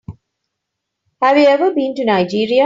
Have you ever been to Nigeria?